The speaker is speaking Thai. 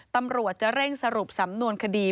ตำรวจจะเร่งสรุปสำนวนคดี